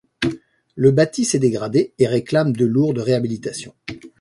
Le bâti s'est dégradé et réclame de lourdes réhabilitations.